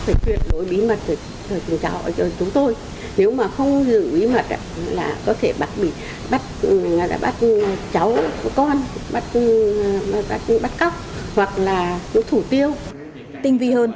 phải truyền đổi bí mật cho chúng tôi nếu mà không giữ bí mật là có thể bác bị bắt cháu con bắt cóc hoặc là thủ tiêu